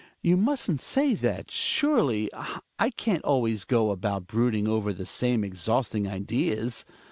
You mustn't say that. Surely, I can't always go about brooding over the same exhausting ideas.